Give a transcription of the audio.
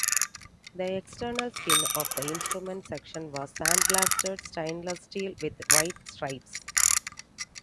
The external skin of the instrument section was sandblasted stainless steel with white stripes.